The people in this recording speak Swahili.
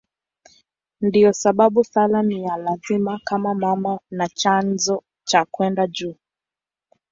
Ndiyo sababu sala ni ya lazima kama mama na chanzo cha kwenda juu.